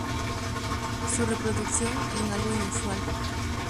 Su reproducción en algo inusual.